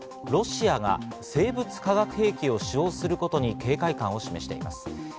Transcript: ロシアが生物化学兵器を使用することに警戒感を示しています。